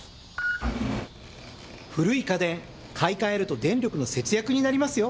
古い家電、買いかえると電力の節約になりますよ。